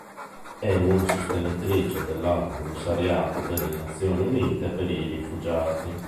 È una sostenitrice dell'Alto commissariato delle Nazioni Unite per i rifugiati.